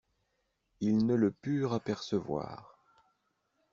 Ils ne le purent apercevoir.